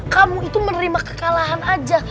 kamu itu menerima kekalahan aja